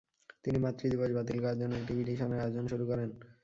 তিনি মাতৃ দিবস বাতিল করার জন্য একটি পিটিশনের আয়োজন শুরু করেন।